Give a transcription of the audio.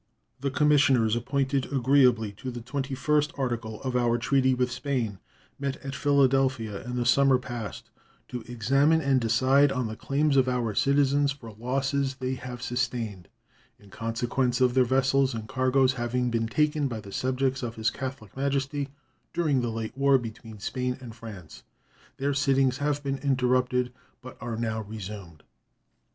The commissioners appointed agreeably to the 21st article of our treaty with Spain met at Philadelphia in the summer past to examine and decide on the claims of our citizens for losses they have sustained in consequence of their vessels and cargoes having been taken by the subjects of His Catholic Majesty during the late war between Spain and France. Their sittings have been interrupted, but are now resumed.